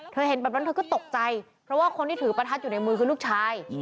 เห็นแบบนั้นเธอก็ตกใจเพราะว่าคนที่ถือประทัดอยู่ในมือคือลูกชาย